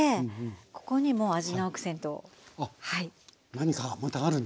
何かまたあるんですね。